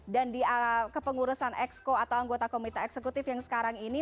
dan di kepengurusan exco atau anggota komite eksekutif yang sekarang ini